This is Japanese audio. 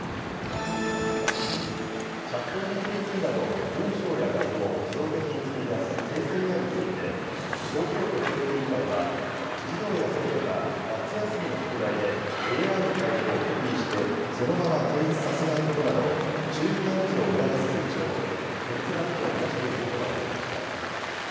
ＣｈａｔＧＰＴなど、文章や画像を自動的に作り出す生成ＡＩについて、東京都教育委員会は、児童や生徒が夏休みの宿題で、ＡＩの回答をコピーしてそのまま提出させないことなど、注意喚起を促す通知を都立学校に出していたことが分かりました。